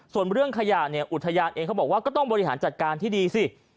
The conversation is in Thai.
ส่วนเรื่องขยะเนี่ยอุทยานเองเขาบอกว่าก็ต้องบริหารจัดการที่ดีสิ